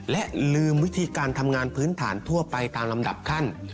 และลืมวิธีการทำงานพื้นฐานทั่วไปตามลำดับขั้น